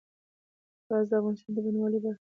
ګاز د افغانستان د بڼوالۍ برخه ده.